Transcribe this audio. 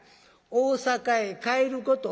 大坂へ帰ること